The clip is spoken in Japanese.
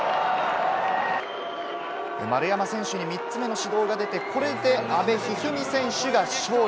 丸山選手に３つ目の指導が出て、これで阿部一二三選手が勝利。